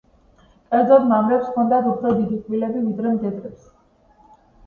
კერძოდ, მამრებს ჰქონდათ უფრო დიდი კბილები, ვიდრე მდედრებს.